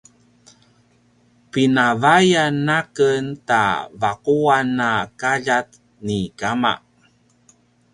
pinavayan a ken ta vaquan a kaljat ni ama